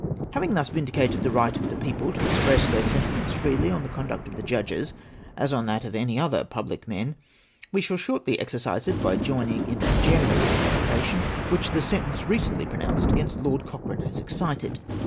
Having thus vindicated the right of the people to express their sentiments freely on the conduct of the Judges, as on that of any other public men, we shall shortly exercise it by joining in the general disapprobation which the sentence recently pronounced against Lord Cochrane has excited.